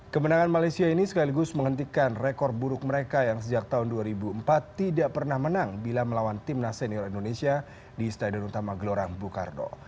kemenangan malaysia ini sekaligus menghentikan rekor buruk mereka yang sejak tahun dua ribu empat tidak pernah menang bila melawan timnas senior indonesia di stadion utama gelora bung karno